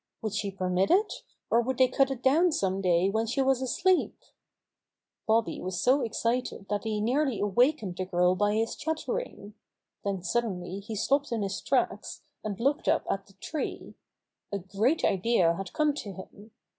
Would she permit it, or would they cut it down some day when she was asleep ? Bobby was so excited that he nearly awak ened the girl by his chattering. Then sud denly he stopped in his tracks, and looked up at the tree. A great idea had come to him.